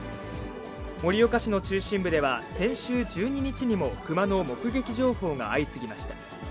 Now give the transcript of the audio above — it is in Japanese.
盛岡市の中心部では、先週１２日にも熊の目撃情報が相次ぎました。